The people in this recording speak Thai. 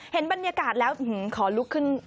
เห็นบรรยากาศแล้วขอลุกขึ้น